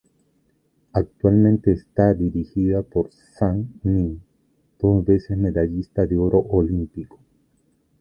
Actualmente está dirigida por Zhang Ning, dos veces medallista de oro olímpico.